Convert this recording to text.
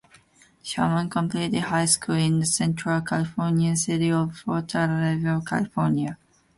Sharman completed high school in the Central California city of Porterville, California.